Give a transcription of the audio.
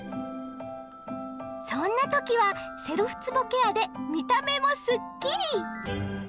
そんな時はセルフつぼケアで見た目もスッキリ！